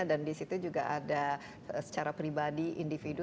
dan disitu juga ada secara pribadi individu